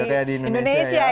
nggak kayak di indonesia ya